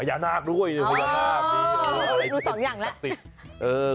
อัญานรากด้วยอัญานรากอีตศาสตร์